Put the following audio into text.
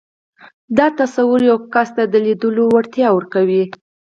دا تصور يو کس ته د ليدلو وړتيا ورکوي.